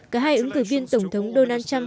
cả hai ứng cử viên tổng thống donald trump